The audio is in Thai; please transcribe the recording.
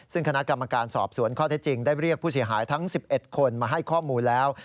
ซึ่งคณะกรรมการสอบสวนข้อเท็จจริงได้เรียกผู้เสียหายทั้ง๑๑คนมาให้ข้อมูลแล้ว